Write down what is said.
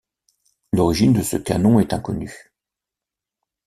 L'origine de ce canon est inconnue.